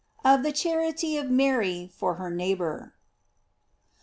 OP THE CHARITY OF MARY FOR HER NEIGHBOR.